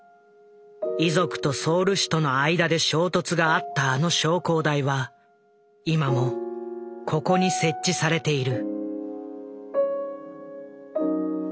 遺族とソウル市との間で衝突があったあの焼香台は今もここに設置されている。